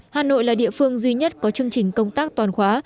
hà nội là địa phương duy nhất có chương trình công tác toàn khóa